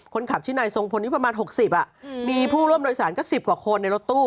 คนขับชื่อนายทรงพลที่ประมาณ๖๐มีผู้ร่วมโดยสารก็๑๐กว่าคนในรถตู้